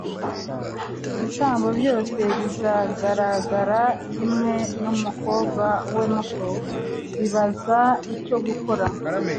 ibitambo byose bizagaragara, kimwe numukobwa we muto, bibaza icyo gukora